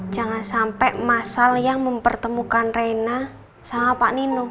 jangan sampe masalah yang mempertemukan reina sama pak nino